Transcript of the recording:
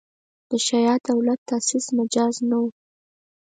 د شیعه دولت تاسیس مجاز نه وو.